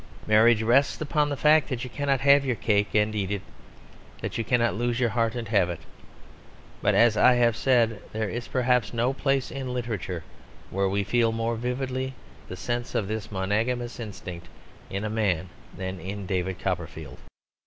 Marriage rests upon the fact that you cannot have your cake and eat it; that you cannot lose your heart and have it. But, as I have said, there is perhaps no place in literature where we feel more vividly the sense of this monogamous instinct in man than in David Copperfield.